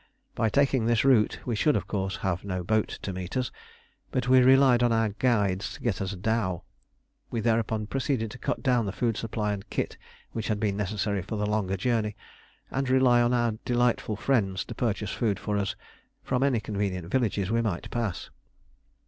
By taking this route we should, of course, have no boat to meet us, but we relied on our guides to get a dhow. We thereupon proceeded to cut down the food supply and kit which had been necessary for the longer journey, and rely on our delightful friends to purchase food for us from any convenient villages we might pass.